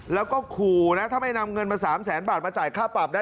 แล้วก็ขู่นะถ้าไม่นำเงินมา๓แสนบาทมาจ่ายค่าปรับได้